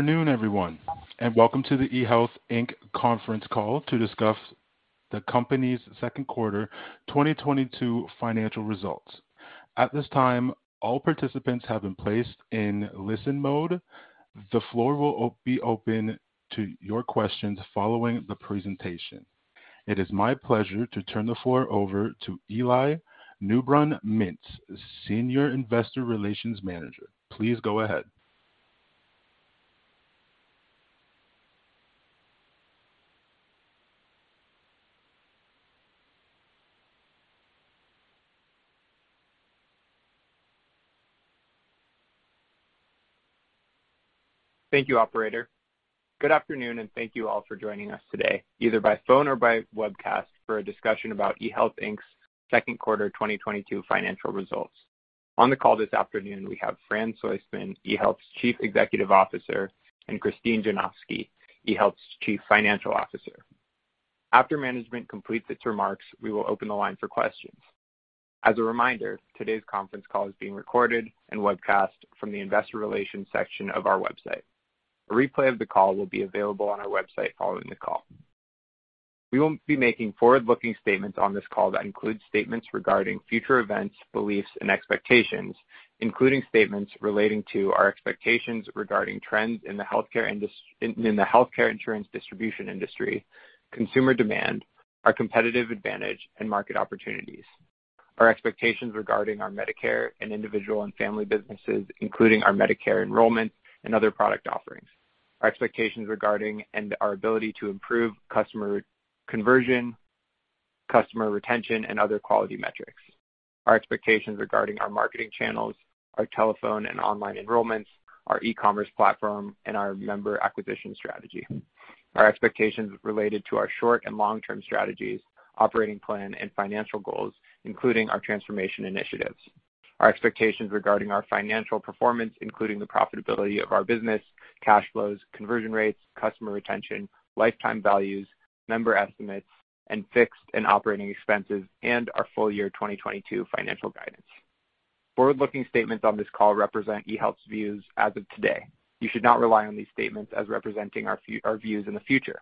Good afternoon, everyone, and welcome to the eHealth, Inc. conference call to discuss the company's Second Quarter 2022 Financial Results. At this time, all participants have been placed in listen mode. The floor will be open to your questions following the presentation. It is my pleasure to turn the floor over to Eli Newbrun-Mintz, Senior Investor Relations Manager. Please go ahead. Thank you, operator. Good afternoon, and thank you all for joining us today, either by phone or by webcast, for a discussion about eHealth, Inc.'s Second Quarter 2022 Financial Results. On the call this afternoon, we have Fran Soistman, eHealth's Chief Executive Officer, and Christine Janofsky, eHealth's Chief Financial Officer. After management completes its remarks, we will open the line for questions. As a reminder, today's conference call is being recorded and webcast from the investor relations section of our website. A replay of the call will be available on our website following the call. We will be making forward-looking statements on this call that include statements regarding future events, beliefs, and expectations, including statements relating to our expectations regarding trends in the healthcare insurance distribution industry, consumer demand, our competitive advantage, and market opportunities. Our expectations regarding our Medicare and individual and family businesses, including our Medicare enrollment and other product offerings. Our expectations regarding and our ability to improve customer conversion, customer retention, and other quality metrics. Our expectations regarding our marketing channels, our telephone and online enrollments, our -commerce platform, and our member acquisition strategy. Our expectations related to our short and long-term strategies, operating plan, and financial goals, including our transformation initiatives. Our expectations regarding our financial performance, including the profitability of our business, cash flows, conversion rates, customer retention, lifetime values, member estimates, and fixed and operating expenses, and our full year 2022 financial guidance. Forward-looking statements on this call represent eHealth's views as of today. You should not rely on these statements as representing our views in the future.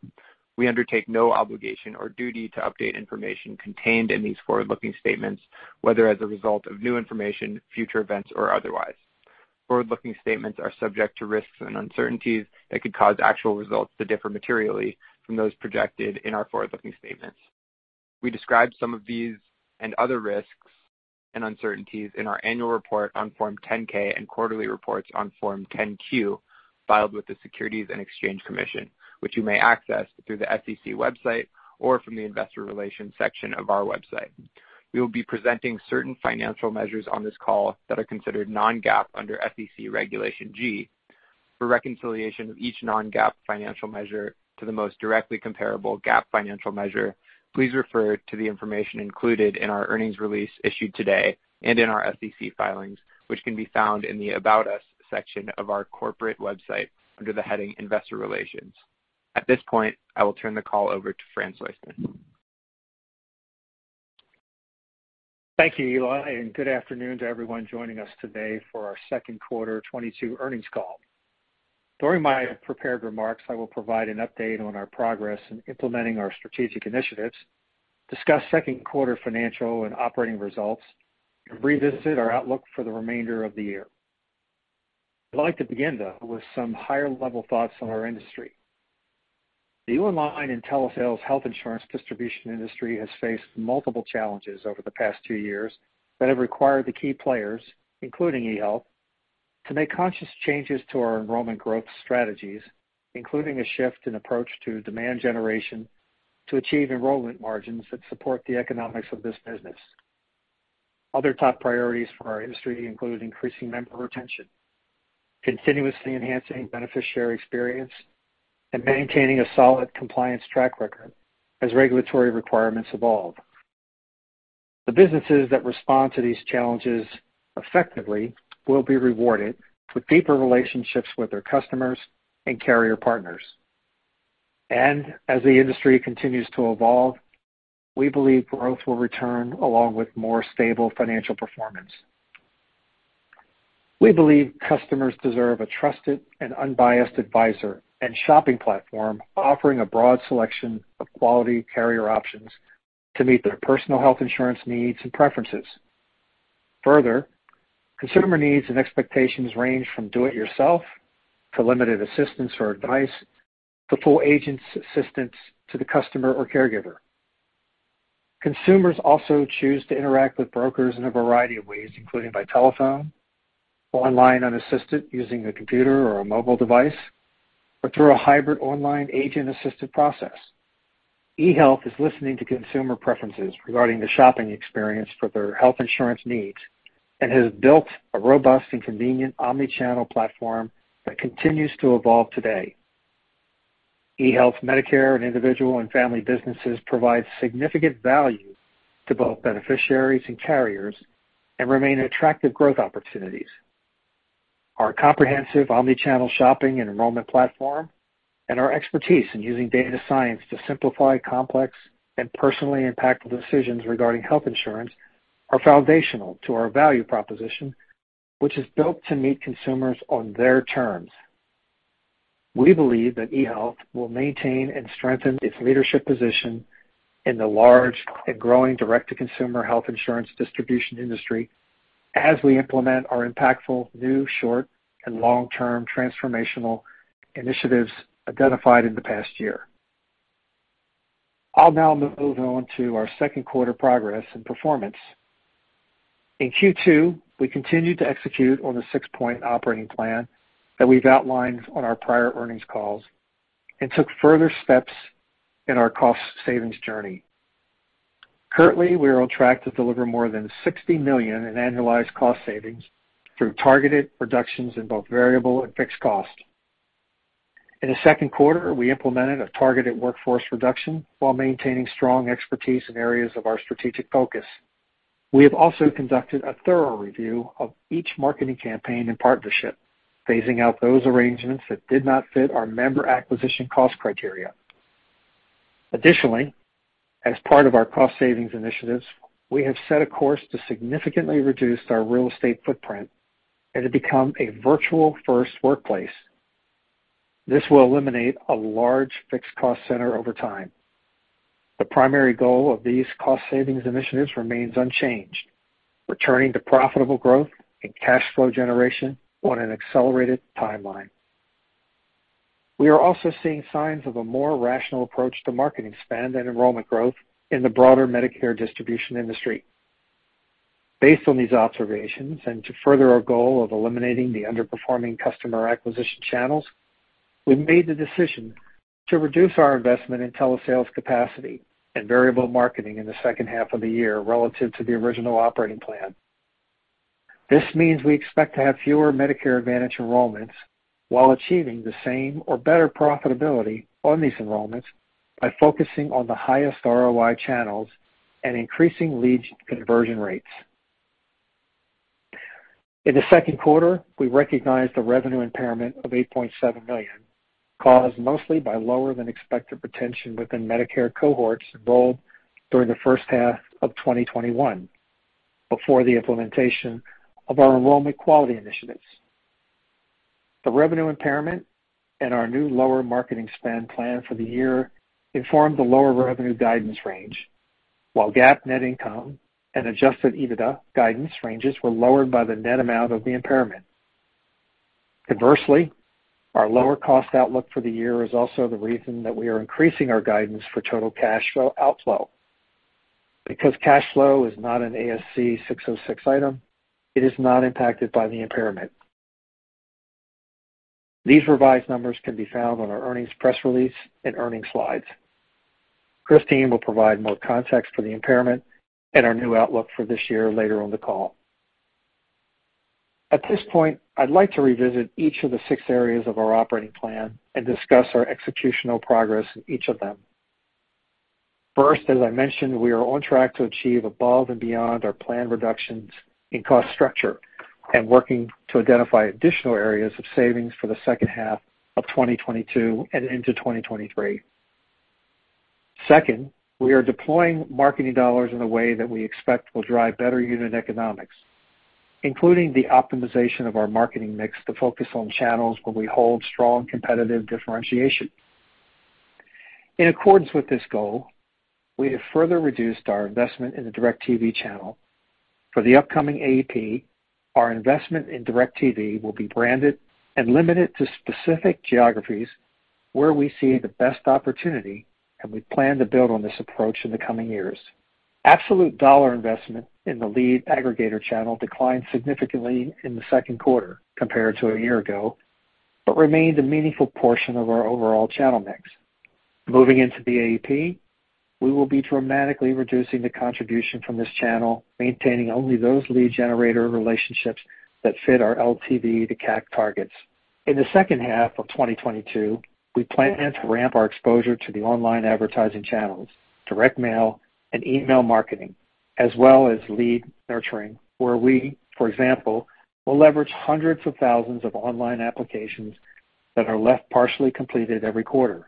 We undertake no obligation or duty to update information contained in these forward-looking statements, whether as a result of new information, future events, or otherwise. Forward-looking statements are subject to risks and uncertainties that could cause actual results to differ materially from those projected in our forward-looking statements. We describe some of these and other risks and uncertainties in our annual report on Form 10-K and quarterly reports on Form 10-Q filed with the Securities and Exchange Commission, which you may access through the SEC website or from the investor relations section of our website. We will be presenting certain financial measures on this call that are considered non-GAAP under SEC Regulation G. For reconciliation of each non-GAAP financial measure to the most directly comparable GAAP financial measure, please refer to the information included in our earnings release issued today and in our SEC filings, which can be found in the About Us section of our corporate website under the heading Investor Relations. At this point, I will turn the call over to Fran Soistman. Thank you, Eli, and good afternoon to everyone joining us today for our second quarter 2022 earnings call. During my prepared remarks, I will provide an update on our progress in implementing our strategic initiatives, discuss second quarter financial and operating results, and revisit our outlook for the remainder of the year. I'd like to begin, though, with some higher level thoughts on our industry. The online and telesales health insurance distribution industry has faced multiple challenges over the past 2 years that have required the key players, including eHealth, to make conscious changes to our enrollment growth strategies, including a shift in approach to demand generation to achieve enrollment margins that support the economics of this business. Other top priorities for our industry include increasing member retention, continuously enhancing beneficiary experience, and maintaining a solid compliance track record as regulatory requirements evolve. The businesses that respond to these challenges effectively will be rewarded with deeper relationships with their customers and carrier partners. As the industry continues to evolve, we believe growth will return along with more stable financial performance. We believe customers deserve a trusted and unbiased advisor and shopping platform offering a broad selection of quality carrier options to meet their personal health insurance needs and preferences. Further, consumer needs and expectations range from do it yourself to limited assistance or advice, to full agent's assistance to the customer or caregiver. Consumers also choose to interact with brokers in a variety of ways, including by telephone or online unassisted using a computer or a mobile device, or through a hybrid online agent-assisted process. eHealth is listening to consumer preferences regarding the shopping experience for their health insurance needs and has built a robust and convenient omni-channel platform that continues to evolve today. eHealth Medicare and individual and family businesses provide significant value to both beneficiaries and carriers and remain attractive growth opportunities. Our comprehensive omni-channel shopping and enrollment platform. Our expertise in using data science to simplify complex and personally impactful decisions regarding health insurance are foundational to our value proposition, which is built to meet consumers on their terms. We believe that eHealth will maintain and strengthen its leadership position in the large and growing direct-to-consumer health insurance distribution industry as we implement our impactful new short- and long-term transformational initiatives identified in the past year. I'll now move on to our second quarter progress and performance. In Q2, we continued to execute on the six-point operating plan that we've outlined on our prior earnings calls and took further steps in our cost savings journey. Currently, we are on track to deliver more than $60 million in annualized cost savings through targeted reductions in both variable and fixed costs. In the second quarter, we implemented a targeted workforce reduction while maintaining strong expertise in areas of our strategic focus. We have also conducted a thorough review of each marketing campaign and partnership, phasing out those arrangements that did not fit our member acquisition cost criteria. Additionally, as part of our cost savings initiatives, we have set a course to significantly reduce our real estate footprint and to become a virtual-first workplace. This will eliminate a large fixed cost center over time. The primary goal of these cost savings initiatives remains unchanged, returning to profitable growth and cash flow generation on an accelerated timeline. We are also seeing signs of a more rational approach to marketing spend and enrollment growth in the broader Medicare distribution industry. Based on these observations, and to further our goal of eliminating the underperforming customer acquisition channels, we've made the decision to reduce our investment in telesales capacity and variable marketing in the second half of the year relative to the original operating plan. This means we expect to have fewer Medicare Advantage enrollments while achieving the same or better profitability on these enrollments by focusing on the highest ROI channels and increasing lead conversion rates. In the second quarter, we recognized a revenue impairment of $8.7 million, caused mostly by lower than expected retention within Medicare cohorts enrolled during the first half of 2021 before the implementation of our enrollment quality initiatives. The revenue impairment and our new lower marketing spend plan for the year informed the lower revenue guidance range. While GAAP net income and adjusted EBITDA guidance ranges were lowered by the net amount of the impairment. Inversely, our lower cost outlook for the year is also the reason that we are increasing our guidance for total cash flow outflow. Because cash flow is not an ASC 606 item, it is not impacted by the impairment. These revised numbers can be found on our earnings press release and earnings slides. Christine will provide more context for the impairment and our new outlook for this year later on the call. At this point, I'd like to revisit each of the six areas of our operating plan and discuss our executional progress in each of them. First, as I mentioned, we are on track to achieve above and beyond our planned reductions in cost structure and working to identify additional areas of savings for the second half of 2022 and into 2023. Second, we are deploying marketing dollars in a way that we expect will drive better unit economics, including the optimization of our marketing mix to focus on channels where we hold strong competitive differentiation. In accordance with this goal, we have further reduced our investment in the DIRECTV channel. For the upcoming AEP, our investment in DIRECTV will be branded and limited to specific geographies where we see the best opportunity, and we plan to build on this approach in the coming years. Absolute dollar investment in the lead aggregator channel declined significantly in the second quarter compared to a year ago, but remained a meaningful portion of our overall channel mix. Moving into the AEP, we will be dramatically reducing the contribution from this channel, maintaining only those lead generator relationships that fit our LTV to CAC targets. In the second half of 2022, we plan to ramp our exposure to the online advertising channels, direct mail, and email marketing, as well as lead nurturing, where we, for example, will leverage hundreds of thousands of online applications that are left partially completed every quarter.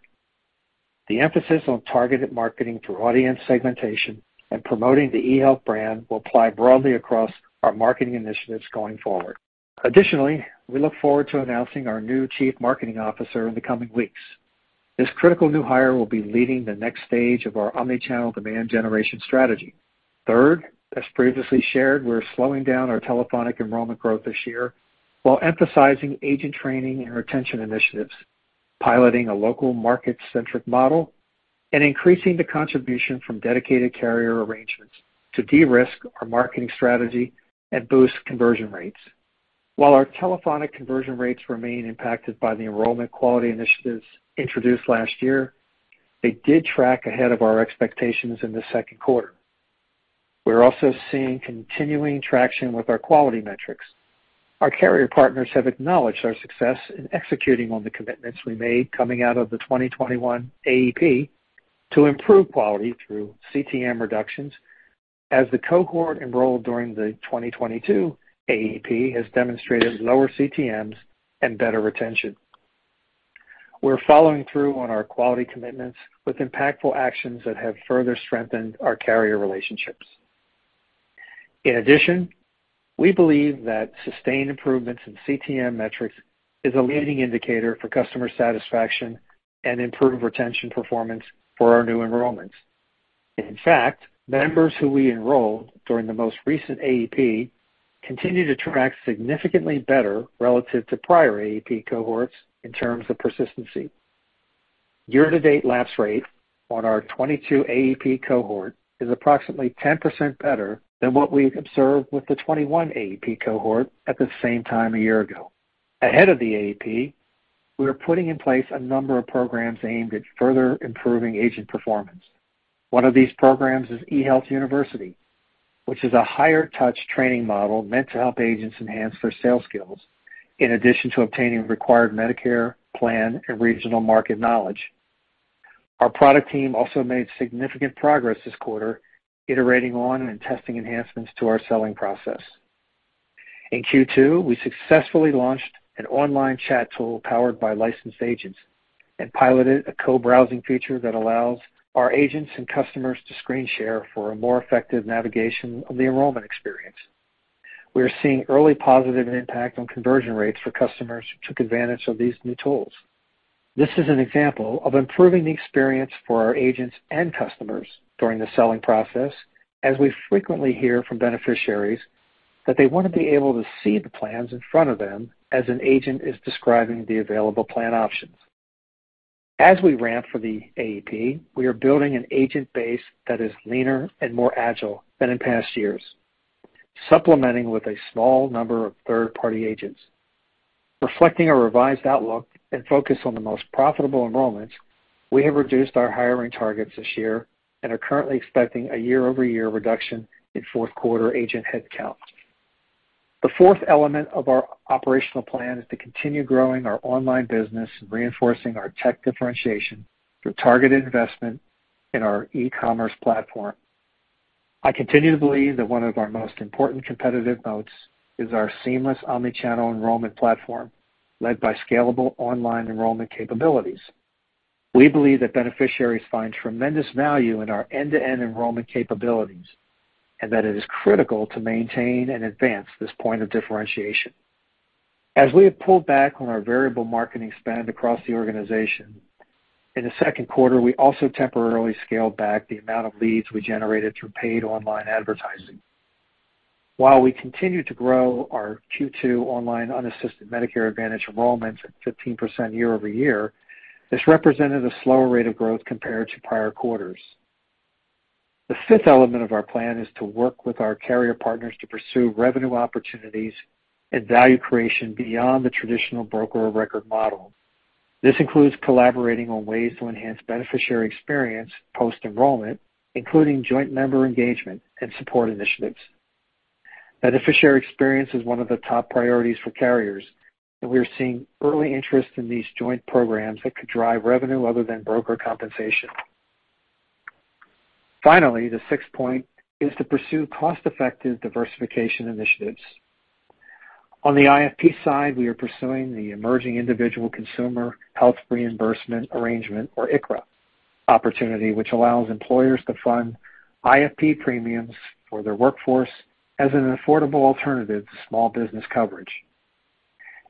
The emphasis on targeted marketing through audience segmentation and promoting the eHealth brand will apply broadly across our marketing initiatives going forward. Additionally, we look forward to announcing our new chief marketing officer in the coming weeks. This critical new hire will be leading the next stage of our omni-channel demand generation strategy. Third, as previously shared, we're slowing down our telephonic enrollment growth this year while emphasizing agent training and retention initiatives, piloting a local market-centric model, and increasing the contribution from dedicated carrier arrangements to de-risk our marketing strategy and boost conversion rates. While our telephonic conversion rates remain impacted by the enrollment quality initiatives introduced last year, they did track ahead of our expectations in the second quarter. We're also seeing continuing traction with our quality metrics. Our carrier partners have acknowledged our success in executing on the commitments we made coming out of the 2021 AEP. To improve quality through CTM reductions as the cohort enrolled during the 2022 AEP has demonstrated lower CTMs and better retention. We're following through on our quality commitments with impactful actions that have further strengthened our carrier relationships. In addition, we believe that sustained improvements in CTM metrics is a leading indicator for customer satisfaction and improved retention performance for our new enrollments. In fact, members who we enrolled during the most recent AEP continue to track significantly better relative to prior AEP cohorts in terms of persistency. Year-to-date lapse rate on our 2022 AEP cohort is approximately 10% better than what we observed with the 2021 AEP cohort at the same time a year ago. Ahead of the AEP, we are putting in place a number of programs aimed at further improving agent performance. One of these programs is eHealth University, which is a higher touch training model meant to help agents enhance their sales skills in addition to obtaining required Medicare plan and regional market knowledge. Our product team also made significant progress this quarter, iterating on and testing enhancements to our selling process. In Q2, we successfully launched an online chat tool powered by licensed agents and piloted a co-browsing feature that allows our agents and customers to screen share for a more effective navigation of the enrollment experience. We are seeing early positive impact on conversion rates for customers who took advantage of these new tools. This is an example of improving the experience for our agents and customers during the selling process, as we frequently hear from beneficiaries that they want to be able to see the plans in front of them as an agent is describing the available plan options. As we ramp for the AEP, we are building an agent base that is leaner and more agile than in past years, supplementing with a small number of third-party agents. Reflecting a revised outlook and focus on the most profitable enrollments, we have reduced our hiring targets this year and are currently expecting a year-over-year reduction in fourth quarter agent headcount. The fourth element of our operational plan is to continue growing our online business and reinforcing our tech differentiation through targeted investment in our E-commerce platform. I continue to believe that one of our most important competitive moats is our seamless omnichannel enrollment platform led by scalable online enrollment capabilities. We believe that beneficiaries find tremendous value in our end-to-end enrollment capabilities, and that it is critical to maintain and advance this point of differentiation. As we have pulled back on our variable marketing spend across the organization, in the second quarter, we also temporarily scaled back the amount of leads we generated through paid online advertising. While we continued to grow our Q2 online unassisted Medicare Advantage enrollments at 15% year over year, this represented a slower rate of growth compared to prior quarters. The fifth element of our plan is to work with our carrier partners to pursue revenue opportunities and value creation beyond the traditional broker of record model. This includes collaborating on ways to enhance beneficiary experience post-enrollment, including joint member engagement and support initiatives. Beneficiary experience is one of the top priorities for carriers, and we are seeing early interest in these joint programs that could drive revenue other than broker compensation. Finally, the sixth point is to pursue cost-effective diversification initiatives. On the IFP side, we are pursuing the emerging individual consumer health reimbursement arrangement, or ICHRA opportunity, which allows employers to fund IFP premiums for their workforce as an affordable alternative to small business coverage.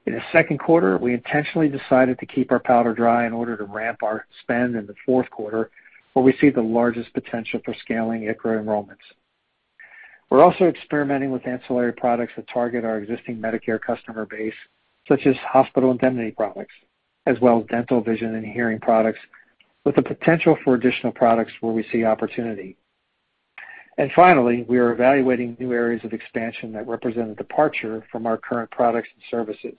In the second quarter, we intentionally decided to keep our powder dry in order to ramp our spend in the fourth quarter, where we see the largest potential for scaling ICHRA enrollments. We're also experimenting with ancillary products that target our existing Medicare customer base, such as hospital indemnity products, as well as dental, vision, and hearing products, with the potential for additional products where we see opportunity. Finally, we are evaluating new areas of expansion that represent a departure from our current products and services.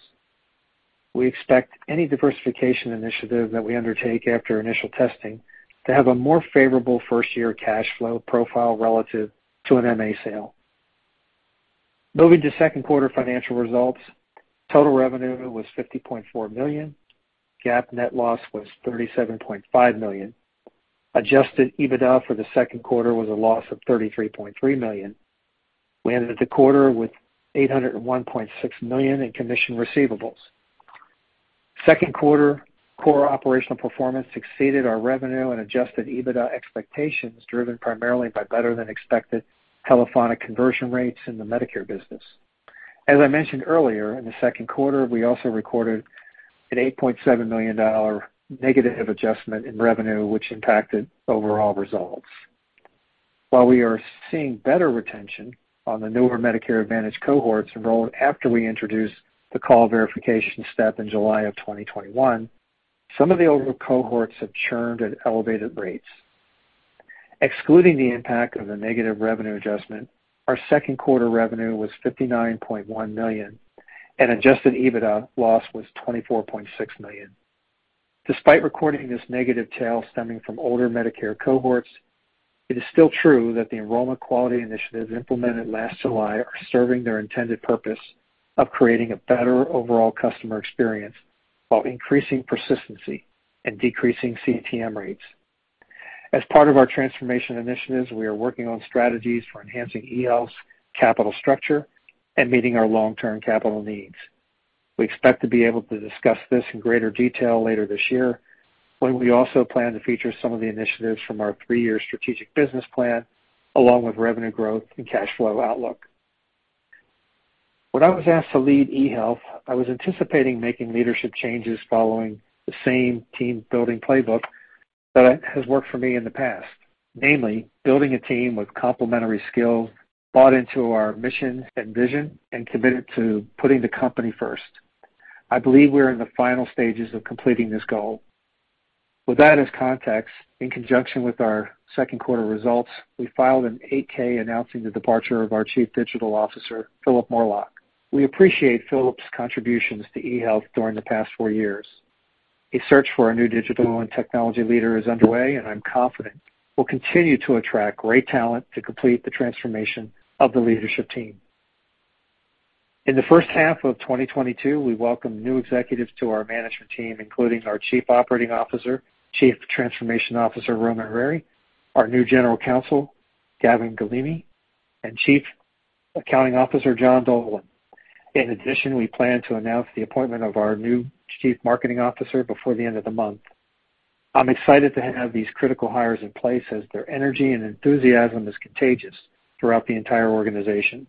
We expect any diversification initiative that we undertake after initial testing to have a more favorable first-year cash flow profile relative to an MA sale. Moving to second quarter financial results, total revenue was $50.4 million. GAAP net loss was $37.5 million. Adjusted EBITDA for the second quarter was a loss of $33.3 million. We ended the quarter with $801.6 million in commission receivables. Second quarter core operational performance exceeded our revenue and Adjusted EBITDA expectations, driven primarily by better than expected telephonic conversion rates in the Medicare business. As I mentioned earlier, in the second quarter, we also recorded an $8.7 million negative adjustment in revenue, which impacted overall results. While we are seeing better retention on the newer Medicare Advantage cohorts enrolled after we introduced the call verification step in July of 2021, some of the older cohorts have churned at elevated rates. Excluding the impact of the negative revenue adjustment, our second quarter revenue was $59.1 million, and Adjusted EBITDA loss was $24.6 million. Despite recording this negative tail stemming from older Medicare cohorts. It is still true that the enrollment quality initiatives implemented last July are serving their intended purpose of creating a better overall customer experience while increasing persistency and decreasing CTM rates. As part of our transformation initiatives, we are working on strategies for enhancing eHealth's capital structure and meeting our long-term capital needs. We expect to be able to discuss this in greater detail later this year, when we also plan to feature some of the initiatives from our three-year strategic business plan, along with revenue growth and cash flow outlook. When I was asked to lead eHealth, I was anticipating making leadership changes following the same team-building playbook that has worked for me in the past. Namely, building a team with complementary skills, bought into our mission and vision, and committed to putting the company first. I believe we're in the final stages of completing this goal. With that as context, in conjunction with our second quarter results, we filed a Form 8-K announcing the departure of our Chief Digital Officer, Phillip Morelock. We appreciate Phillip's contributions to eHealth during the past four years. A search for a new digital and technology leader is underway, and I'm confident we'll continue to attract great talent to complete the transformation of the leadership team. In the first half of 2022, we welcomed new executives to our management team, including our Chief Operating Officer, Chief Transformation Officer, Roman Rariy, our new General Counsel, Gavin Galimi, and Chief Accounting Officer, John Dolan. In addition, we plan to announce the appointment of our new Chief Marketing Officer before the end of the month. I'm excited to have these critical hires in place as their energy and enthusiasm is contagious throughout the entire organization.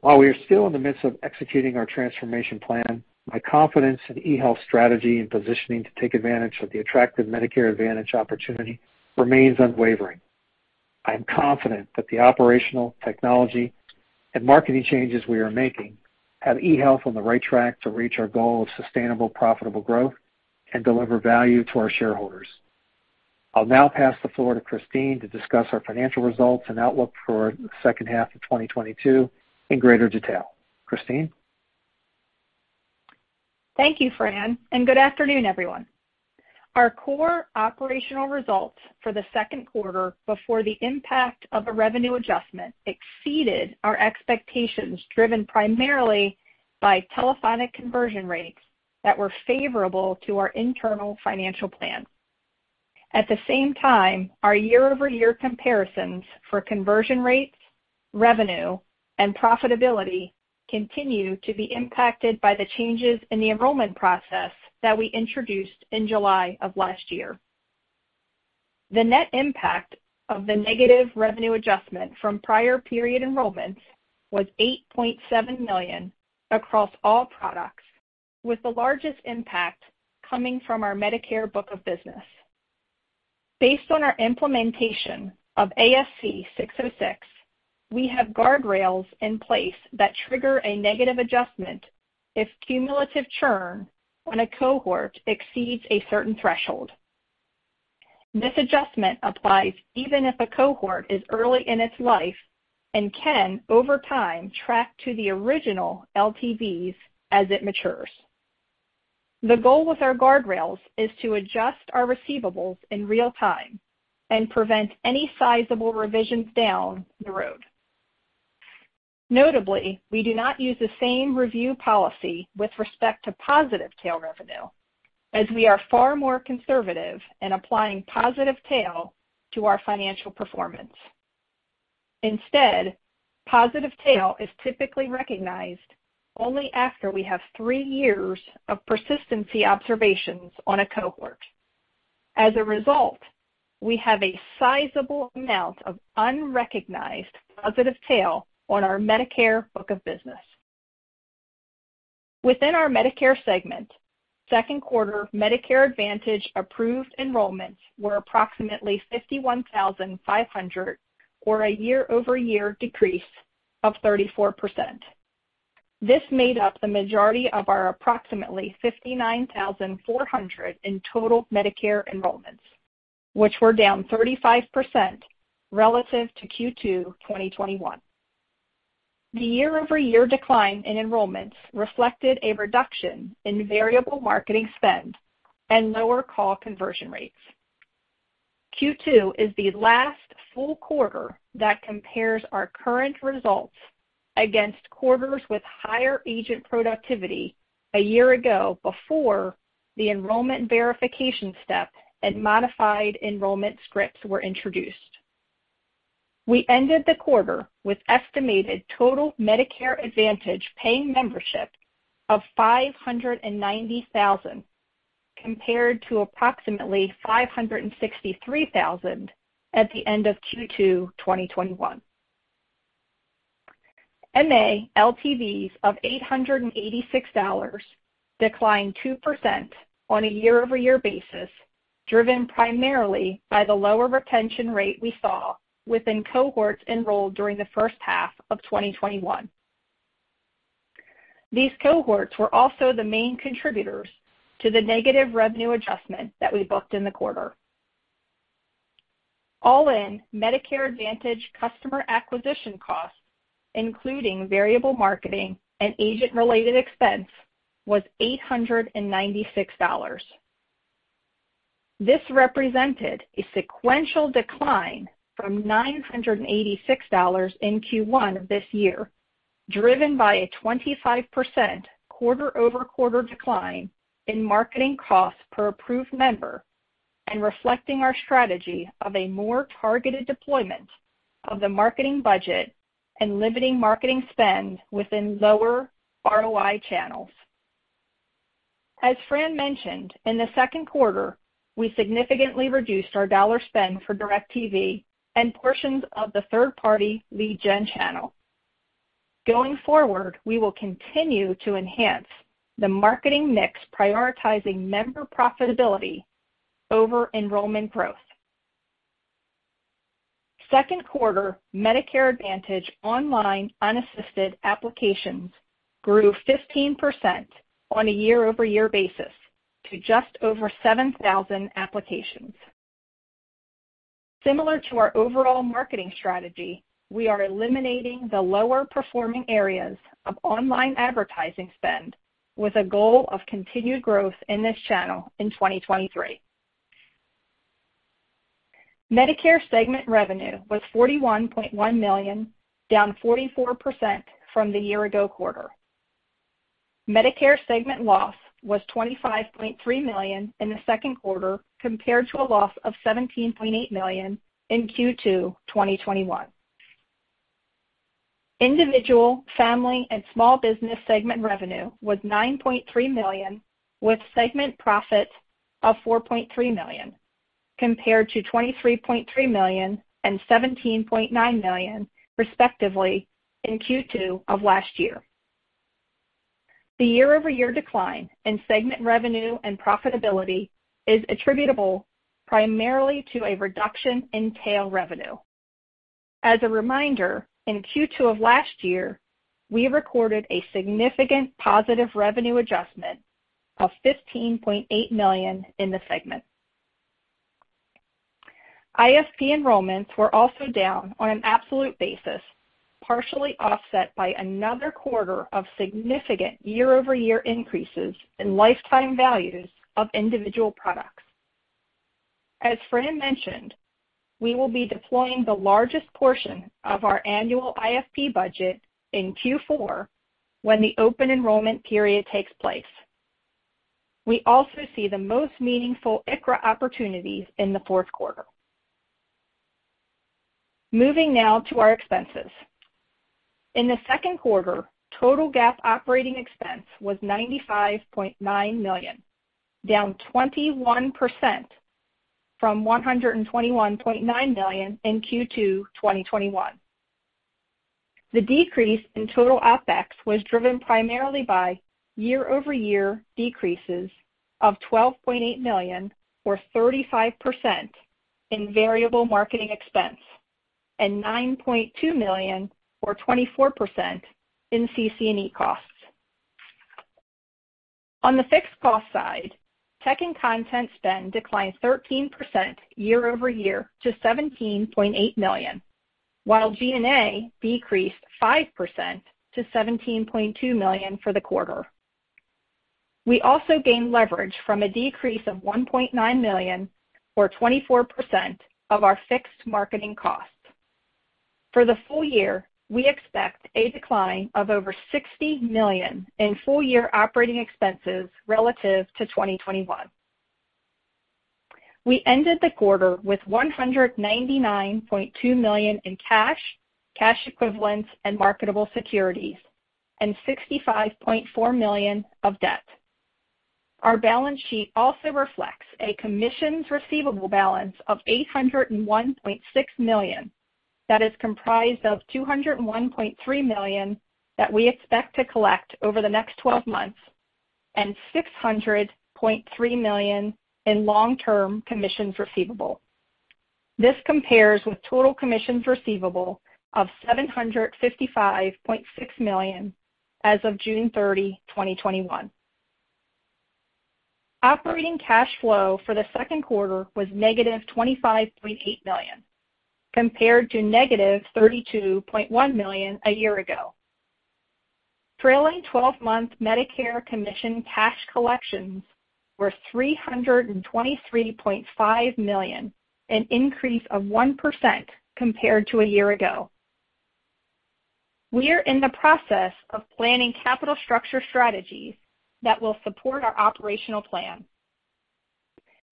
While we are still in the midst of executing our transformation plan, my confidence in eHealth's strategy and positioning to take advantage of the attractive Medicare Advantage opportunity remains unwavering. I am confident that the operational technology and marketing changes we are making have eHealth on the right track to reach our goal of sustainable, profitable growth and deliver value to our shareholders. I'll now pass the floor to Christine to discuss our financial results and outlook for the second half of 2022 in greater detail. Christine. Thank you, Fran, and good afternoon, everyone. Our core operational results for the second quarter before the impact of the revenue adjustment exceeded our expectations, driven primarily by telephonic conversion rates that were favorable to our internal financial plan. At the same time, our year-over-year comparisons for conversion rates, revenue, and profitability continue to be impacted by the changes in the enrollment process that we introduced in July of last year. The net impact of the negative revenue adjustment from prior period enrollments was $8.7 million across all products, with the largest impact coming from our Medicare book of business. Based on our implementation of ASC 606, we have guardrails in place that trigger a negative adjustment if cumulative churn on a cohort exceeds a certain threshold. This adjustment applies even if a cohort is early in its life and can, over time, track to the original LTVs as it matures. The goal with our guardrails is to adjust our receivables in real time and prevent any sizable revisions down the road. Notably, we do not use the same review policy with respect to positive tail revenue, as we are far more conservative in applying positive tail to our financial performance. Instead, positive tail is typically recognized only after we have three years of persistency observations on a cohort. As a result, we have a sizable amount of unrecognized positive tail on our Medicare book of business. Within our Medicare segment, second quarter Medicare Advantage approved enrollments were approximately 51,500, or a year-over-year decrease of 34%. This made up the majority of our approximately 59,400 in total Medicare enrollments, which were down 35% relative to Q2 2021. The year-over-year decline in enrollments reflected a reduction in variable marketing spend and lower call conversion rates. Q2 is the last full quarter that compares our current results against quarters with higher agent productivity a year ago before the enrollment verification step and modified enrollment scripts were introduced. We ended the quarter with estimated total Medicare Advantage paying membership of 590,000, compared to approximately 563,000 at the end of Q2 2021. MA LTVs of $886 declined 2% on a year-over-year basis, driven primarily by the lower retention rate we saw within cohorts enrolled during the first half of 2021. These cohorts were also the main contributors to the negative revenue adjustment that we booked in the quarter. All in, Medicare Advantage customer acquisition costs, including variable marketing and agent-related expense was $896. This represented a sequential decline from $986 in Q1 of this year, driven by a 25% quarter-over-quarter decline in marketing costs per approved member and reflecting our strategy of a more targeted deployment of the marketing budget and limiting marketing spend within lower ROI channels. As Fran mentioned, in the second quarter, we significantly reduced our dollar spend for DirecTV and portions of the third-party lead gen channel. Going forward, we will continue to enhance the marketing mix, prioritizing member profitability over enrollment growth. Second quarter Medicare Advantage online unassisted applications grew 15% on a year-over-year basis to just over 7,000 applications. Similar to our overall marketing strategy, we are eliminating the lower performing areas of online advertising spend with a goal of continued growth in this channel in 2023. Medicare segment revenue was $41.1 million, down 44% from the year ago quarter. Medicare segment loss was $25.3 million in the second quarter compared to a loss of $17.8 million in Q2 2021. Individual, family, and small business segment revenue was $9.3 million, with segment profits of $4.3 million, compared to $23.3 million and $17.9 million, respectively, in Q2 of last year. The year-over-year decline in segment revenue and profitability is attributable primarily to a reduction in tail revenue. As a reminder, in Q2 of last year, we recorded a significant positive revenue adjustment of $15.8 million in the segment. IFP enrollments were also down on an absolute basis, partially offset by another quarter of significant year-over-year increases in lifetime values of individual products. As Fran mentioned, we will be deploying the largest portion of our annual IFP budget in Q4 when the open enrollment period takes place. We also see the most meaningful ICHRA opportunities in the fourth quarter. Moving now to our expenses. In the second quarter, total GAAP operating expense was $95.9 million, down 21% from $121.9 million in Q2 2021. The decrease in total OpEx was driven primarily by year-over-year decreases of $12.8 million or 35% in variable marketing expense and $9.2 million or 24% in CC&E costs. On the fixed cost side, tech and content spend declined 13% year-over-year to $17.8 million, while G&A decreased 5% to $17.2 million for the quarter. We also gained leverage from a decrease of $1.9 million or 24% of our fixed marketing costs. For the full year, we expect a decline of over $60 million in full-year operating expenses relative to 2021. We ended the quarter with $199.2 million in cash equivalents, and marketable securities, and $65.4 million of debt. Our balance sheet also reflects a commissions receivable balance of $801.6 million that is comprised of $201.3 million that we expect to collect over the next twelve months and $600.3 million in long-term commissions receivable. This compares with total commissions receivable of $755.6 million as of June 30, 2021. Operating cash flow for the second quarter was negative $25.8 million, compared to negative $32.1 million a year ago. Trailing twelve-month Medicare commission cash collections were $323.5 million, an increase of 1% compared to a year ago. We are in the process of planning capital structure strategies that will support our operational plan.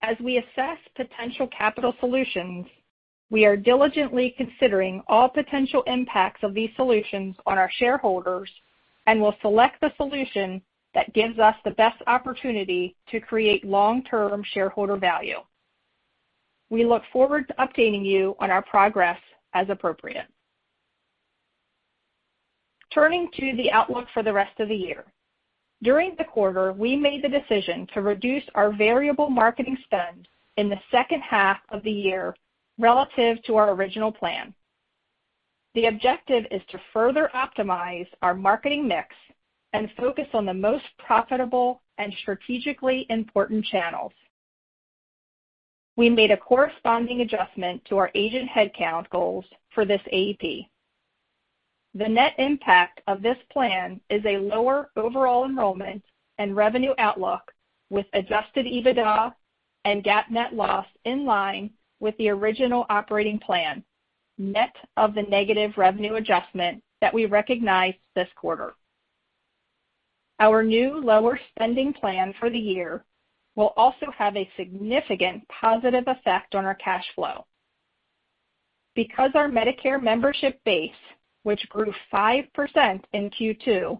As we assess potential capital solutions, we are diligently considering all potential impacts of these solutions on our shareholders and will select the solution that gives us the best opportunity to create long-term shareholder value. We look forward to updating you on our progress as appropriate. Turning to the outlook for the rest of the year. During the quarter, we made the decision to reduce our variable marketing spend in the second half of the year relative to our original plan. The objective is to further optimize our marketing mix and focus on the most profitable and strategically important channels. We made a corresponding adjustment to our agent headcount goals for this AEP. The net impact of this plan is a lower overall enrollment and revenue outlook, with Adjusted EBITDA and GAAP net loss in line with the original operating plan, net of the negative revenue adjustment that we recognized this quarter. Our new lower spending plan for the year will also have a significant positive effect on our cash flow. Because our Medicare membership base, which grew 5% in Q2,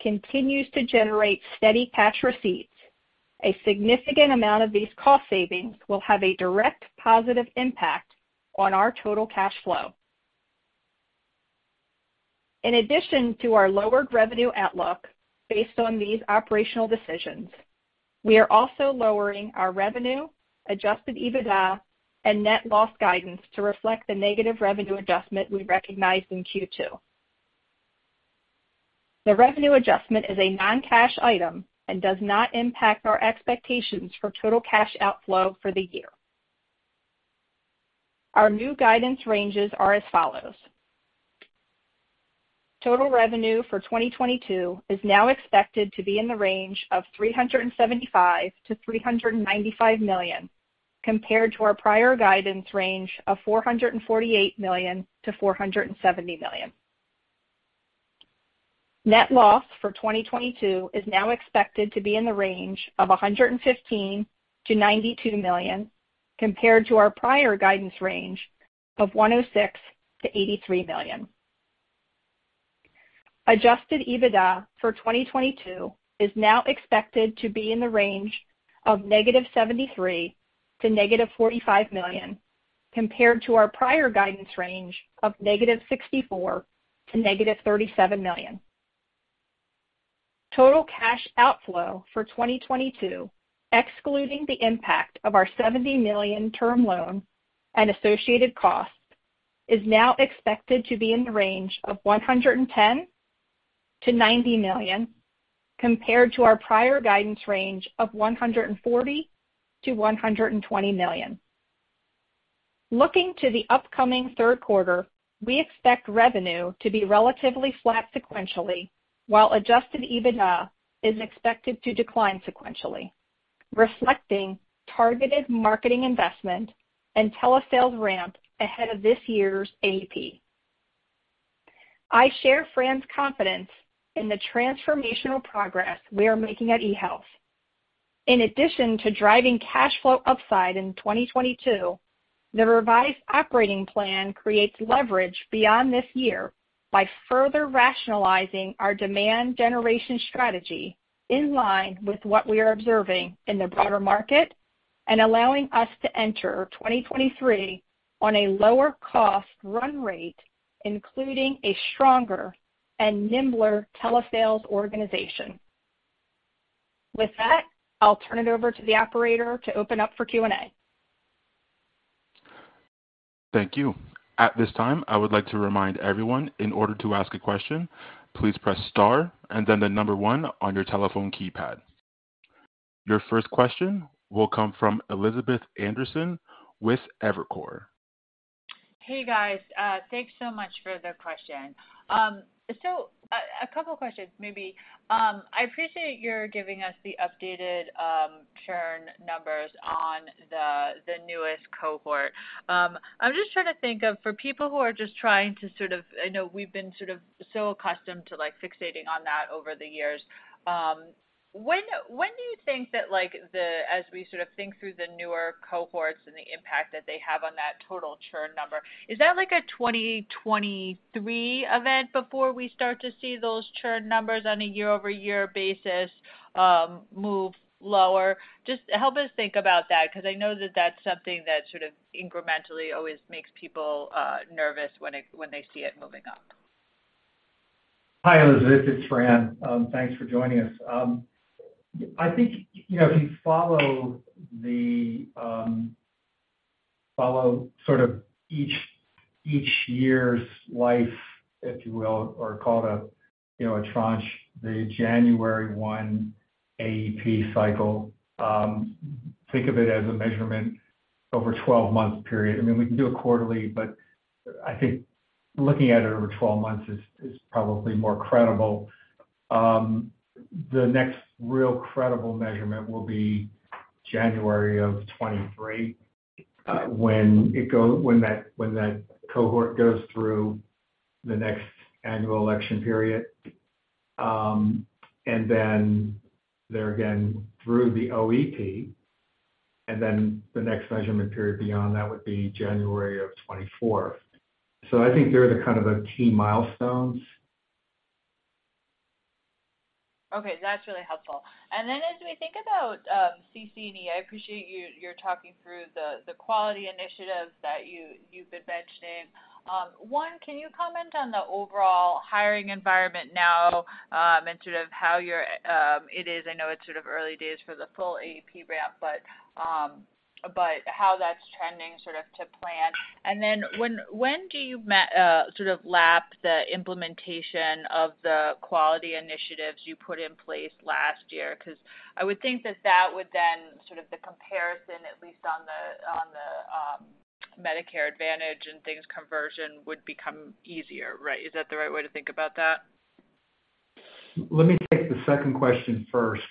continues to generate steady cash receipts, a significant amount of these cost savings will have a direct positive impact on our total cash flow. In addition to our lowered revenue outlook based on these operational decisions, we are also lowering our revenue, Adjusted EBITDA, and net loss guidance to reflect the negative revenue adjustment we recognized in Q2. The revenue adjustment is a non-cash item and does not impact our expectations for total cash outflow for the year. Our new guidance ranges are as follows. Total revenue for 2022 is now expected to be in the range of $375 million-$395 million, compared to our prior guidance range of $448 million-$470 million. Net loss for 2022 is now expected to be in the range of $115 million-$92 million, compared to our prior guidance range of $106 million-$83 million. Adjusted EBITDA for 2022 is now expected to be in the range of -$73 million to -$45 million, compared to our prior guidance range of -$64 million to -$37 million. Total cash outflow for 2022, excluding the impact of our $70 million term loan and associated costs, is now expected to be in the range of $110 million to $90 million, compared to our prior guidance range of $140 million to $120 million. Looking to the upcoming third quarter, we expect revenue to be relatively flat sequentially, while adjusted EBITDA is expected to decline sequentially, reflecting targeted marketing investment and telesales ramp ahead of this year's AEP. I share Fran's confidence in the transformational progress we are making at eHealth. In addition to driving cash flow upside in 2022, the revised operating plan creates leverage beyond this year by further rationalizing our demand generation strategy in line with what we are observing in the broader market and allowing us to enter 2023 on a lower cost run rate, including a stronger and nimbler telesales organization. With that, I'll turn it over to the operator to open up for Q&A. Thank you. At this time, I would like to remind everyone, in order to ask a question, please press star and then the number one on your telephone keypad. Your first question will come from Elizabeth Anderson with Evercore. Hey, guys. Thanks so much for the question. A couple questions maybe. I appreciate your giving us the updated churn numbers on the newest cohort. I'm just trying to think of for people who are just trying to sort of I know we've been sort of so accustomed to, like, fixating on that over the years. When do you think that, like, as we sort of think through the newer cohorts and the impact that they have on that total churn number, is that like a 2023 event before we start to see those churn numbers on a year-over-year basis, move lower? Just help us think about that, 'cause I know that that's something that sort of incrementally always makes people nervous when they see it moving up. Hi, Elizabeth, it's Fran. Thanks for joining us. I think, you know, if you follow sort of each year's life, if you will, or call it a, you know, a tranche, the January 1 AEP cycle, think of it as a measurement over 12-month period. I mean, we can do it quarterly, but I think looking at it over 12 months is probably more credible. The next real credible measurement will be January of 2023, when that cohort goes through the next annual election period. And then they're again through the OEP, and then the next measurement period beyond that would be January of 2024. I think they're the kind of the key milestones. Okay, that's really helpful. As we think about CC&E, I appreciate you're talking through the quality initiatives that you've been mentioning. One, can you comment on the overall hiring environment now, and sort of it is I know it's sort of early days for the full AEP ramp, but how that's trending sort of to plan? When do you sort of lap the implementation of the quality initiatives you put in place last year? 'Cause I would think that would then sort of the comparison, at least on the Medicare Advantage and things conversion would become easier, right? Is that the right way to think about that? Let me take the second question first.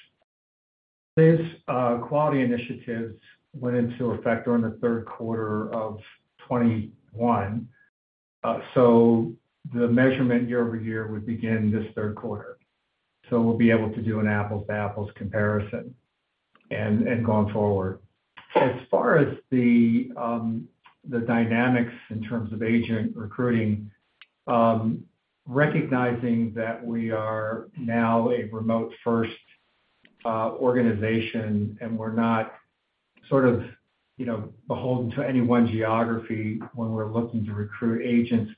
These quality initiatives went into effect during the third quarter of 2021. The measurement year-over-year would begin this third quarter. We'll be able to do an apples-to-apples comparison and going forward. As far as the dynamics in terms of agent recruiting, recognizing that we are now a remote-first organization and we're not sort of, you know, beholden to any one geography when we're looking to recruit agents,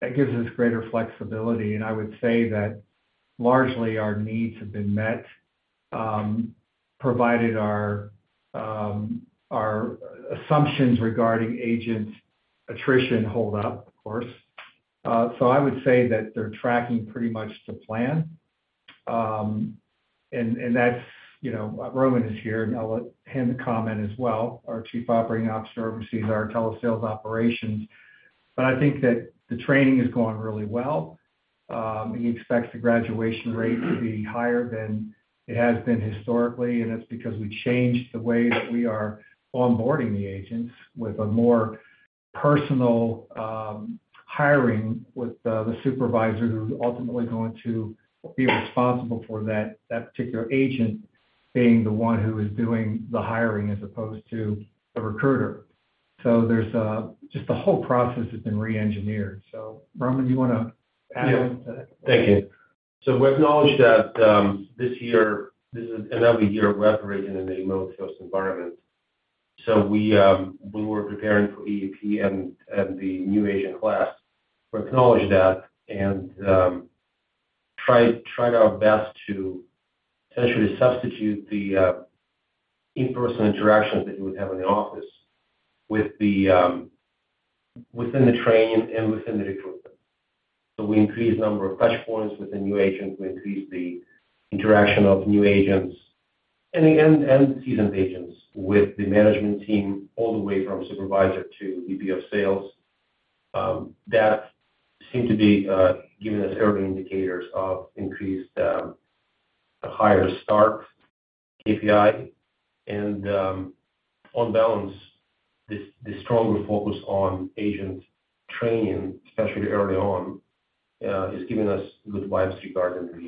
that gives us greater flexibility. I would say that largely our needs have been met, provided our assumptions regarding agent attrition hold up, of course. I would say that they're tracking pretty much to plan. That's, you know, Roman Rariy is here, and I'll let him comment as well. Our Chief Operating Officer oversees our telesales operations. I think that the training is going really well. He expects the graduation rate to be higher than it has been historically, and it's because we changed the way that we are onboarding the agents with a more personal hiring with the supervisor who's ultimately going to be responsible for that particular agent being the one who is doing the hiring as opposed to the recruiter. Roman, do you wanna add to that? Yeah. Thank you. We acknowledge that this year, this is another year we're operating in a remote-first environment. We, when we're preparing for AEP and the new agent class, we acknowledge that and tried our best to essentially substitute the in-person interactions that you would have in the office with the within the training and within the recruitment. We increased the number of touch points with the new agent. We increased the interaction of new agents and seasoned agents with the management team all the way from supervisor to VP of sales. That seemed to be giving us early indicators of increased a higher start KPI. On balance, this stronger focus on agent training, especially early on, has given us good vibes regarding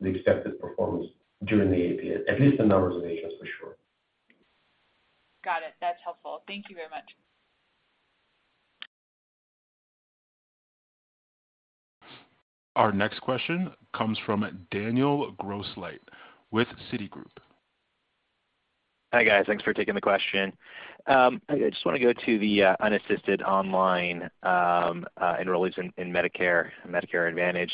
the expected performance during the AEP, at least the numbers of agents for sure. Got it. That's helpful. Thank you very much. Our next question comes from Daniel Grosslight with Citigroup. Hi, guys. Thanks for taking the question. I just wanna go to the unassisted online enrollees in Medicare Advantage.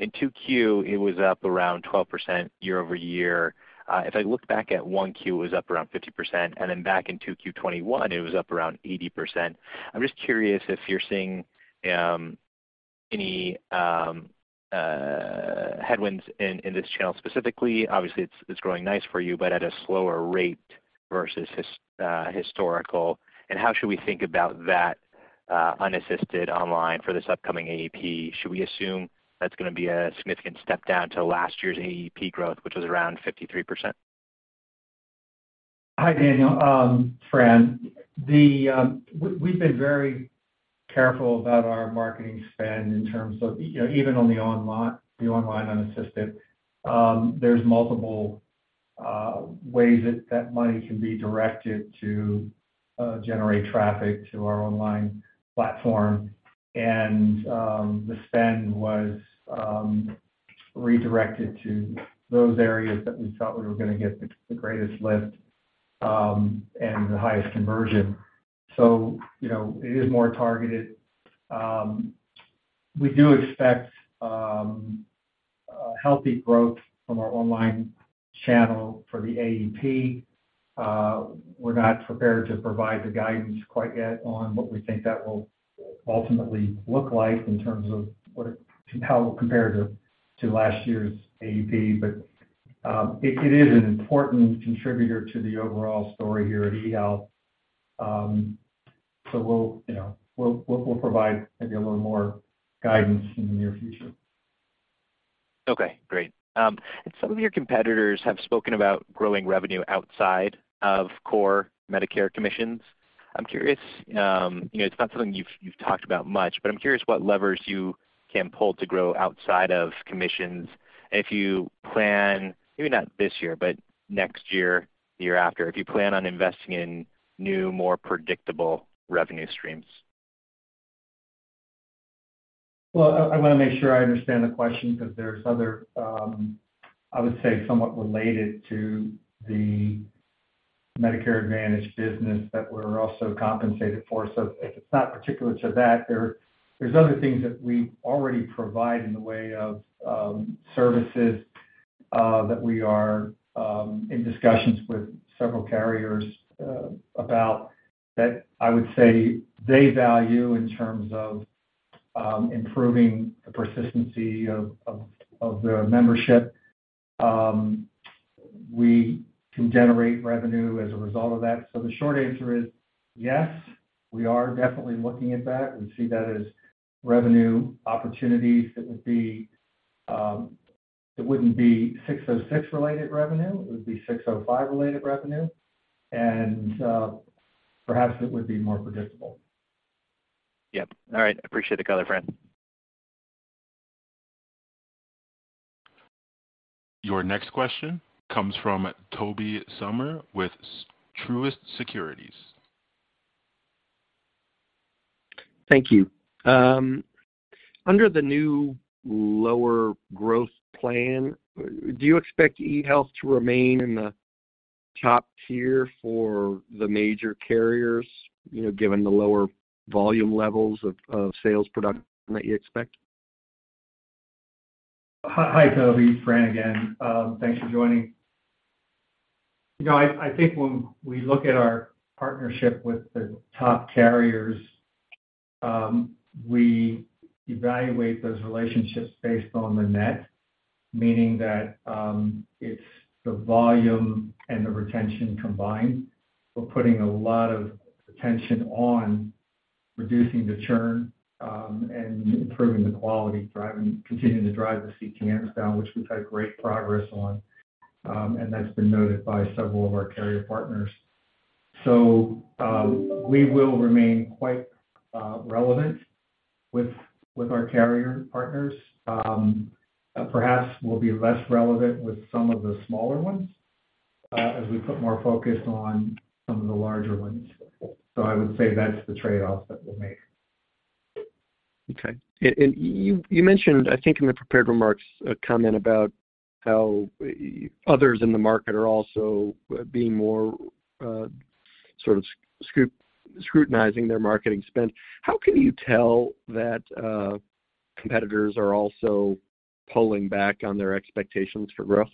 In 2Q, it was up around 12% year-over-year. If I look back at 1Q, it was up around 50%, and then back in 2Q 2021, it was up around 80%. I'm just curious if you're seeing any headwinds in this channel specifically. Obviously, it's growing nicely for you, but at a slower rate versus historical. How should we think about that unassisted online for this upcoming AEP? Should we assume that's gonna be a significant step down to last year's AEP growth, which was around 53%? Hi, Daniel, friend. We've been very careful about our marketing spend in terms of, you know, even on the online unassisted. There's multiple ways that money can be directed to generate traffic to our online platform. The spend was redirected to those areas that we felt we were gonna get the greatest lift and the highest conversion. You know, it is more targeted. We do expect a healthy growth from our online channel for the AEP. We're not prepared to provide the guidance quite yet on what we think that will ultimately look like in terms of how it will compare to last year's AEP. It is an important contributor to the overall story here at eHealth. We'll, you know, provide maybe a little more guidance in the near future. Okay, great. Some of your competitors have spoken about growing revenue outside of core Medicare commissions. I'm curious, you know, it's not something you've talked about much, but I'm curious what levers you can pull to grow outside of commissions and if you plan, maybe not this year, but next year, the year after, if you plan on investing in new, more predictable revenue streams. Well, I wanna make sure I understand the question because there's other, I would say, somewhat related to the Medicare Advantage business that we're also compensated for. If it's not particular to that, there's other things that we already provide in the way of services that we are in discussions with several carriers about that I would say they value in terms of improving the persistency of their membership. We can generate revenue as a result of that. The short answer is yes, we are definitely looking at that. We see that as revenue opportunities. That would be, it wouldn't be 606 related revenue, it would be 605 related revenue, and perhaps it would be more predictable. Yep. All right. I appreciate the color, Fran. Your next question comes from Tobey Sommer with Truist Securities. Thank you. Under the new lower growth plan, do you expect eHealth to remain in the top tier for the major carriers, you know, given the lower volume levels of sales production that you expect? Hi, Toby. Fran again. Thanks for joining. You know, I think when we look at our partnership with the top carriers, we evaluate those relationships based on the net, meaning that it's the volume and the retention combined. We're putting a lot of attention on reducing the churn and improving the quality, continuing to drive the CTM down, which we've had great progress on. That's been noted by several of our carrier partners. We will remain quite relevant with our carrier partners. Perhaps we'll be less relevant with some of the smaller ones as we put more focus on some of the larger ones. I would say that's the trade-off that we'll make. Okay. You mentioned, I think in the prepared remarks, a comment about how others in the market are also being more, sort of scrutinizing their marketing spend. How can you tell that competitors are also pulling back on their expectations for growth?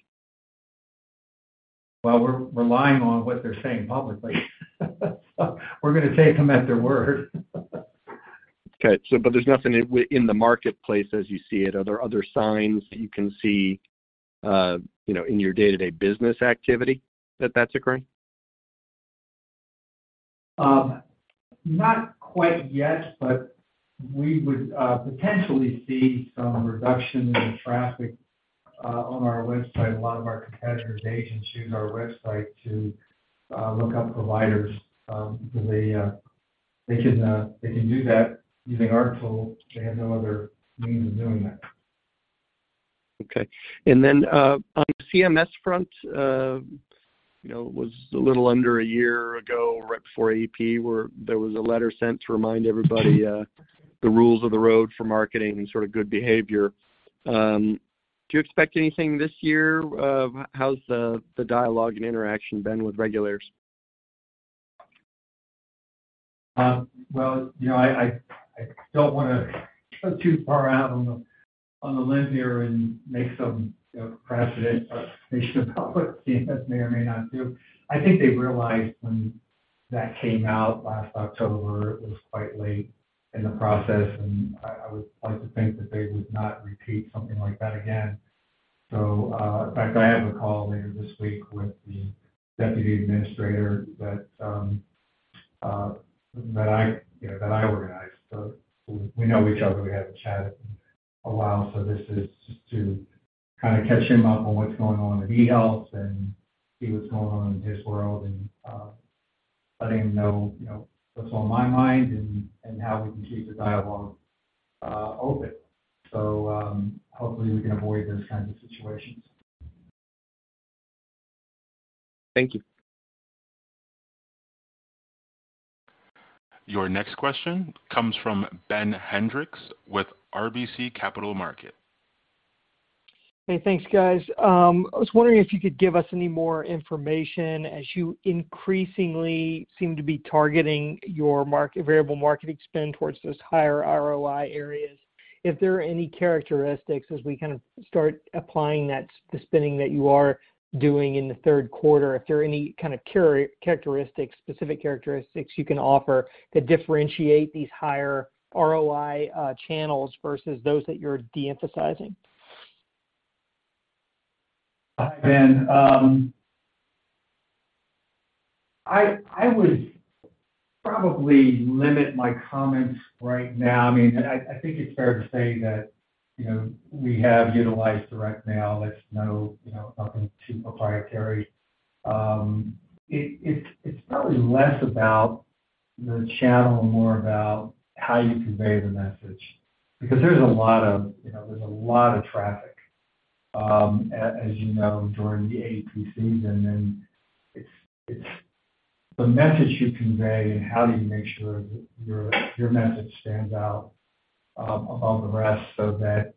Well, we're relying on what they're saying publicly. We're gonna take them at their word. Okay, there's nothing in the marketplace as you see it. Are there other signs that you can see, you know, in your day-to-day business activity that that's occurring? Not quite yet, we would potentially see some reduction in traffic on our website. A lot of our competitors' agents use our website to look up providers because they can do that using our tool. They have no other means of doing that. Okay. On the CMS front, you know, it was a little under a year ago, right before AEP, where there was a letter sent to remind everybody the rules of the road for marketing and sort of good behavior. Do you expect anything this year? How's the dialogue and interaction been with regulators? Well, you know, I don't wanna go too far out on the limb here and make some, you know, precedent prediction about what CMS may or may not do. I think they realized when that came out last October, it was quite late in the process, and I would like to think that they would not repeat something like that again. In fact, I have a call later this week with the deputy administrator that I organized. We know each other, we haven't chatted in a while, so this is just to kinda catch him up on what's going on with eHealth and see what's going on in his world and letting him know, you know, what's on my mind and how we can keep the dialogue open. Hopefully we can avoid those kinds of situations. Thank you. Your next question comes from Ben Hendrix with RBC Capital Markets. Hey, thanks, guys. I was wondering if you could give us any more information as you increasingly seem to be targeting your market, variable marketing spend towards those higher ROI areas. If there are any characteristics as we kind of start applying that, the spending that you are doing in the third quarter, if there are any kind of characteristics, specific characteristics you can offer to differentiate these higher ROI channels versus those that you're de-emphasizing. Hi, Ben. I would probably limit my comments right now. I mean, I think it's fair to say that, you know, we have utilized direct mail. It's nothing too proprietary. It's probably less about the channel and more about how you convey the message because there's a lot of traffic, as you know, during the AEP season. It's the message you convey and how do you make sure that your message stands out above the rest so that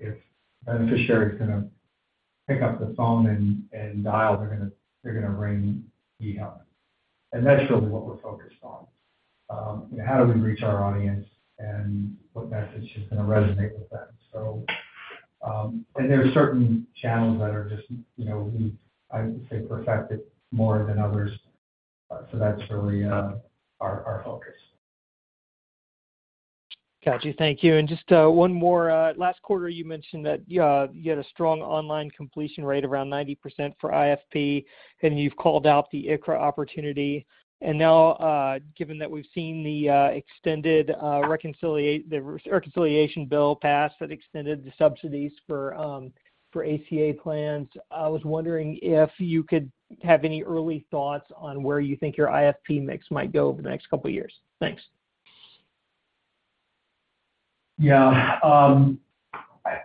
if beneficiary's gonna pick up the phone and dial, they're gonna ring eHealth. That's really what we're focused on, you know, how do we reach our audience and what message is gonna resonate with them. There are certain channels that are just, you know, I would say perfected more than others. That's really our focus. Got you. Thank you. Just one more. Last quarter you mentioned that you had a strong online completion rate around 90% for IFP, and you've called out the ICHRA opportunity. Now, given that we've seen the extended reconciliation bill passed, that extended the subsidies for ACA plans, I was wondering if you could have any early thoughts on where you think your IFP mix might go over the next couple of years. Thanks. Yeah.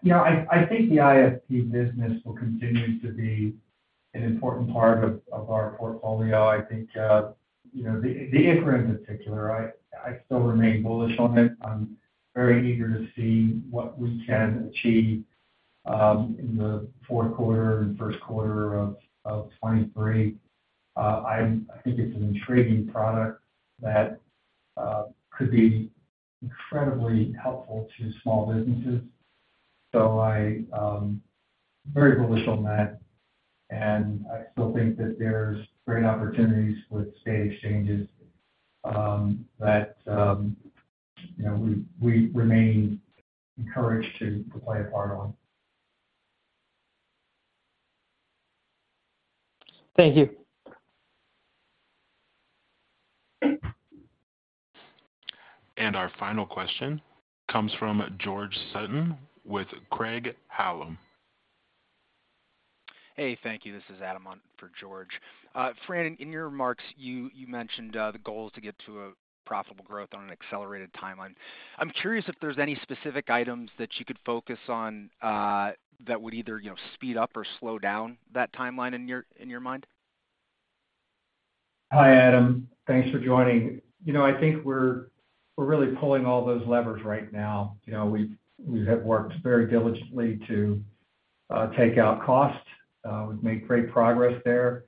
You know, I think the IFP business will continue to be an important part of our portfolio. I think, you know, the ICHRA in particular, I still remain bullish on it. I'm very eager to see what we can achieve in the fourth quarter and first quarter of 2023. I think it's an intriguing product that could be incredibly helpful to small businesses. I'm very bullish on that, and I still think that there's great opportunities with state exchanges that you know, we remain encouraged to play a part on. Thank you. Our final question comes from George Sutton with Craig-Hallum. Hey, thank you. This is Adam on for George. Fran, in your remarks, you mentioned the goal is to get to a profitable growth on an accelerated timeline. I'm curious if there's any specific items that you could focus on that would either, you know, speed up or slow down that timeline in your mind. Hi, Adam. Thanks for joining. You know, I think we're really pulling all those levers right now. You know, we have worked very diligently to take out costs. We've made great progress there.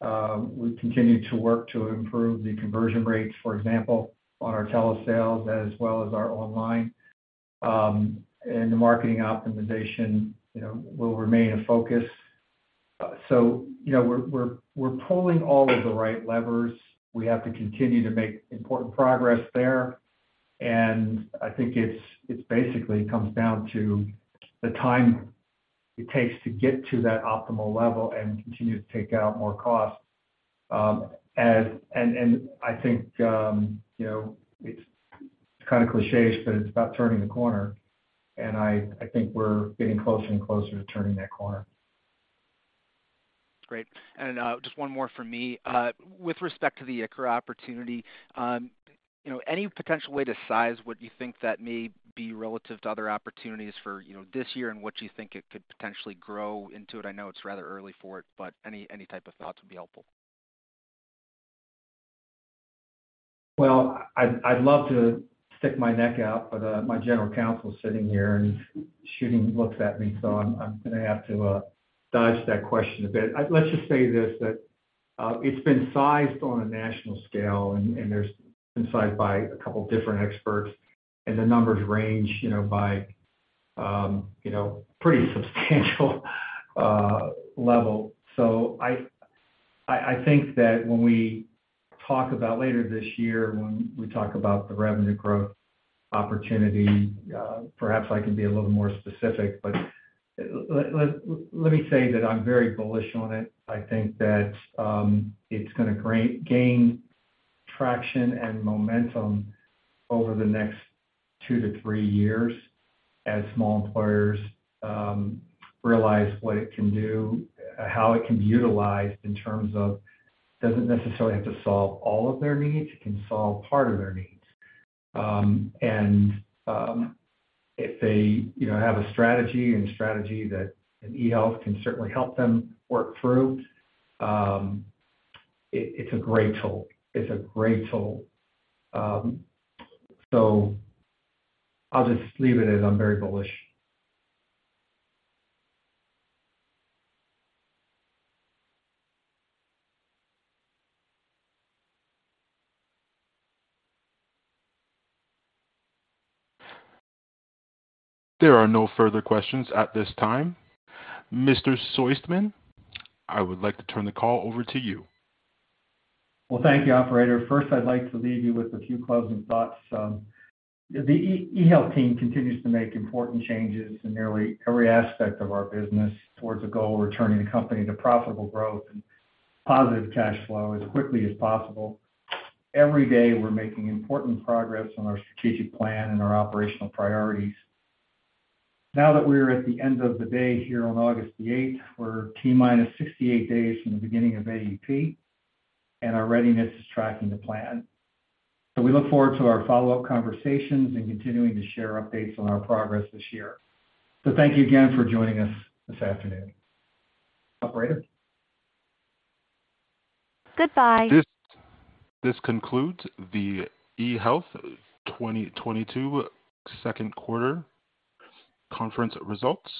We continue to work to improve the conversion rates, for example, on our telesales as well as our online. The marketing optimization, you know, will remain a focus. You know, we're pulling all of the right levers. We have to continue to make important progress there, and I think it's basically comes down to the time it takes to get to that optimal level and continue to take out more costs. I think, you know, it's kinda cliche, but it's about turning the corner and I think we're getting closer and closer to turning that corner. Great. Just one more from me. With respect to the ICHRA opportunity, you know, any potential way to size what you think that may be relative to other opportunities for, you know, this year and what you think it could potentially grow into? I know it's rather early for it, but any type of thoughts would be helpful. Well, I'd love to stick my neck out, but my general counsel is sitting here and he's shooting looks at me, so I'm gonna have to dodge that question a bit. Let's just say this, that it's been sized on a national scale and there's been sized by a couple different experts, and the numbers range, you know, by you know, pretty substantial level. I think that when we talk about later this year, when we talk about the revenue growth opportunity, perhaps I can be a little more specific. Let me say that I'm very bullish on it. I think that it's gonna gain traction and momentum over the next two to three years as small employers realize what it can do, how it can be utilized in terms of it doesn't necessarily have to solve all of their needs, it can solve part of their needs. If they, you know, have a strategy that eHealth can certainly help them work through, it's a great tool. I'll just leave it as I'm very bullish. There are no further questions at this time. Mr. Soistman, I would like to turn the call over to you. Well, thank you, operator. First, I'd like to leave you with a few closing thoughts. The eHealth team continues to make important changes in nearly every aspect of our business towards a goal of returning the company to profitable growth and positive cash flow as quickly as possible. Every day, we're making important progress on our strategic plan and our operational priorities. Now that we are at the end of the day here on August the eighth, we're T-minus 68 days from the beginning of AEP, and our readiness is tracking the plan. We look forward to our follow-up conversations and continuing to share updates on our progress this year. Thank you again for joining us this afternoon. Operator? Goodbye. This concludes the eHealth 2022 second quarter conference results.